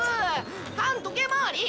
反時計回り！